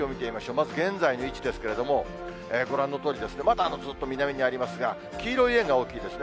まず現在の位置ですけれども、ご覧のとおり、まだずっと南にありますが、黄色い円が大きいですね。